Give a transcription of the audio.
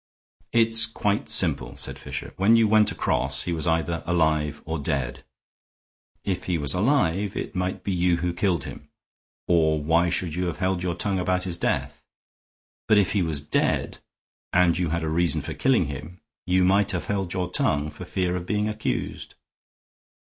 "It's quite simple," said Fisher. "When you went across he was either alive or dead. If he was alive, it might be you who killed him, or why should you have held your tongue about his death? But if he was dead, and you had a reason for killing him, you might have held your tongue for fear of being accused."